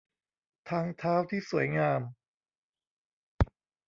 ทางเท้าที่สวยงาม